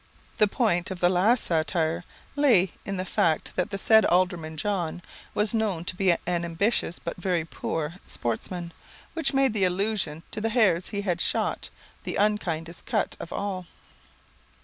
'" The point of the last satire lay in the fact that the said Alderman John was known to be an ambitious, but very poor, sportsman; which made the allusion to the hares he had shot the unkindest cut of all.